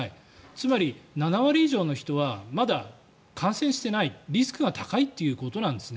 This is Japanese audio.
つまり、７割以上の人はまだ感染していないリスクが高いということです。